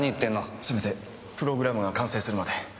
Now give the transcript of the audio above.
せめてプログラムが完成するまで。